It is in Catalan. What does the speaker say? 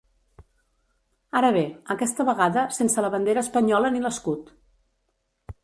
Ara bé, aquesta vegada sense la bandera espanyola ni l’escut.